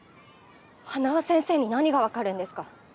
花輪先生に何がわかるんですか？